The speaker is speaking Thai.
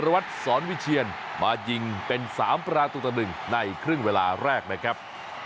วัดสอนวิเชียนมายิงเป็น๓ประตูต่อ๑ในครึ่งเวลาแรกนะครับ